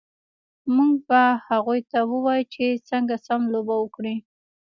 موږ به هغوی ته ووایو چې څنګه سم لوبه وکړي